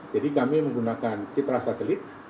jadi kami menggunakan kitra satelit